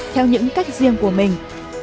theo những cách riêng của mình